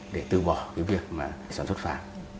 để từ bỏ việc sản xuất phá